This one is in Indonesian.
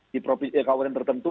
di kawasan tertentu